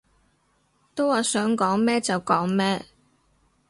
都話想講咩就講咩